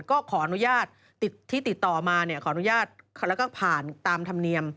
ก็ขออนุญาตที่ติดต่อมาขออนุญาตแล้วก็ผ่านตามธรรมเนียม